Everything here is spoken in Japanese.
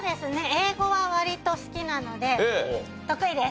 英語は割と好きなので得意です。